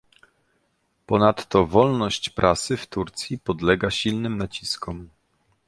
Ponadto, wolność prasy w Turcji podlega silnym naciskom